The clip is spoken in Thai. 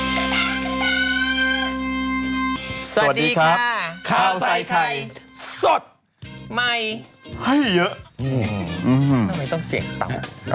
สวัสดีครับข้าวใส่ไข่สดใหม่ให้เยอะทำไมต้องเสี่ยงต่ำ